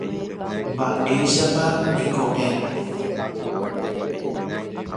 Mba'éichapa neko'ẽ.